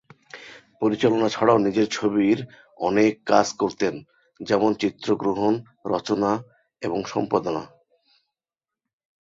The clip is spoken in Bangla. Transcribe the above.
পরিচালনা ছাড়াও নিজের ছবির অনেক কাজ করতেন, যেমন: চিত্রগ্রহণ, রচনা এবং সম্পাদনা।